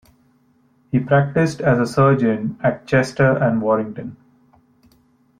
He practised as a surgeon at Chester and Warrington.